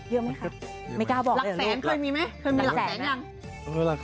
เยี่ยมไหมคะ